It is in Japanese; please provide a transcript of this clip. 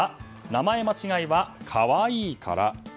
名前間違いは可愛いから。